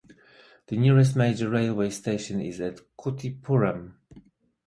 The nearest major railway station is at Kuttippuram.